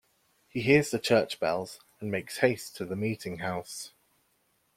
He hears the church bells and makes haste to the meeting house.